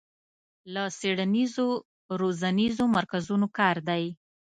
له څېړنیزو روزنیزو مرکزونو کار دی